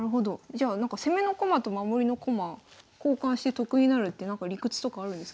じゃあなんか攻めの駒と守りの駒交換して得になるってなんか理屈とかあるんですか？